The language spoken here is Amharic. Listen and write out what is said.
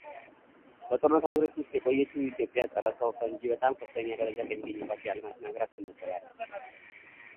በጦርነት አዙሪት ውስጥ የቆየችው ኢትዮጵያ ፀረ ሰው ፈንጂ በጣም በከፍተኛ ደረጃ ከሚገኝባቸው የዓለማችን አገራት ትመደባለች።